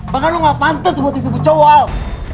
bahkan lo gak pantas buat disebut jawab